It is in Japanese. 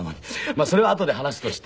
まあそれはあとで話すとして。